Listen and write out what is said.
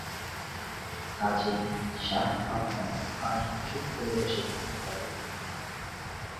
কাজেই Shah Abbas আর চুপ করে বসে থাকতে পারলেন না।